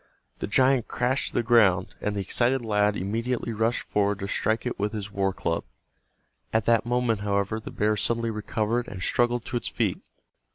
The giant crashed to the ground, and the excited lad immediately rushed forward to strike it with his war club. At that moment, however, the bear suddenly recovered and struggled to its feet.